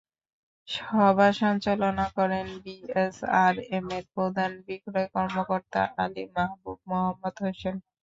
সভা সঞ্চালনা করেন বিএসআরএমের প্রধান বিক্রয় কর্মকর্তা আলী মাহবুব মোহাম্মদ হোসেন।